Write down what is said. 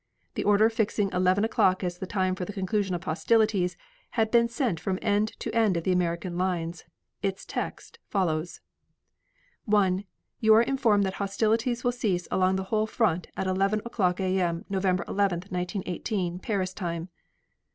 The order fixing eleven o'clock as the time for the conclusion of hostilities, had been sent from end to end of the American lines. Its text follows: 1. You are informed that hostilities will cease along the whole front at 11 o'clock A. M., November 11, 1918, Paris time.